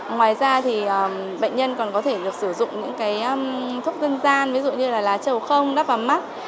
ngoài ra bệnh nhân còn có thể được sử dụng những thuốc dân gian ví dụ như là lá trầu không đắp vào mắt